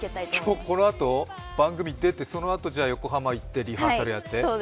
今日このあと、番組出たあと横浜に行ってリハーサルやって？